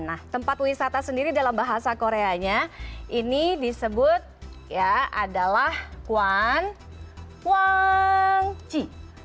nah tempat wisata sendiri dalam bahasa koreanya ini disebut ya adalah kwan kwang ji